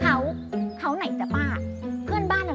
คราวคราวไหนจ้ะป้าเพื่อนบ้านอ่ะละจ๊ะ